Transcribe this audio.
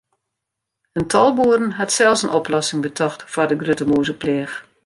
In tal boeren hat sels in oplossing betocht foar de grutte mûzepleach.